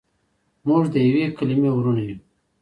موږ دیوې کلیمې وړونه یو.